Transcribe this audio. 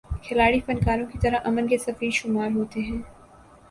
کھلاڑی فنکاروں کی طرح امن کے سفیر شمار ہوتے ہیں۔